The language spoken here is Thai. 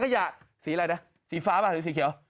แล้วว่าสีอะไรนะสีฟ้าบ้างหรือสีเขียว